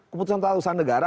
keputusan tata usaha negara